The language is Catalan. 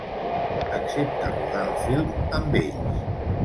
Accepta rodar el film amb ells.